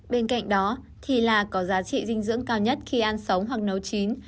bên cạnh đó thì là có giá trị dinh dưỡng cao nhất khi ăn sống hoặc nấu chín